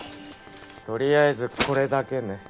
とりあえずこれだけね。